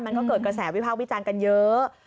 มันก็เกิดกระแสวิพากษ์วิจารณ์กันเยอะ